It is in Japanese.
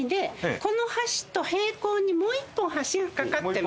この橋と平行にもう１本橋が架かってます。